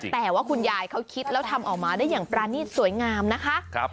แต่ว่าคุณยายเขาคิดแล้วทำออกมาได้อย่างปรานีตสวยงามนะคะ